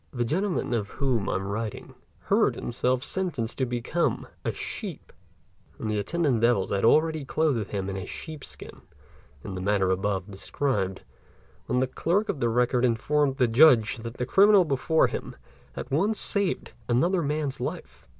The gentleman of whom I am writing heard himself sentenced to become a sheep; and the attendant devils had already clothed him in a sheep's skin in the manner above described, when the clerk of the record informed the Judge that the criminal before him had once saved another man's life.